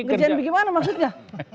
kerjaan bagaimana maksudnya